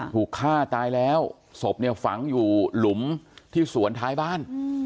ถูกฆ่าตายแล้วศพเนี่ยฝังอยู่หลุมที่สวนท้ายบ้าน